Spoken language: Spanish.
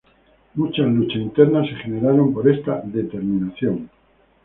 Muchas luchas internas se generaron por esta determinación.